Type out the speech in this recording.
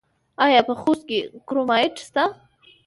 آیا په خوست کې کرومایټ شته؟